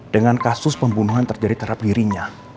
dengan kasus pembunuhan terjadi terhadap dirinya